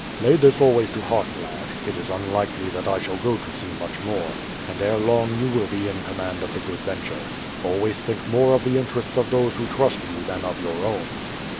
Lay this always to heart, lad. It is unlikely that I shall go to sea much more, and ere long you will be in command of the Good Venture. Always think more of the interests of those who trust you than of your own.